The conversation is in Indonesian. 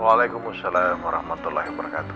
waalaikumsalam warahmatullahi wabarakatuh